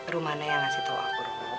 rumana yang ngasih tau aku rom